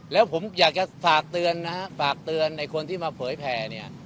แล้วผมอยากจะฝากเตือนนะฮะฝากเตือนในคนที่มาเผยแผ่เนี่ย